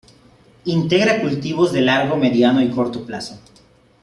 Integra cultivos de largo, mediano y corto plazo.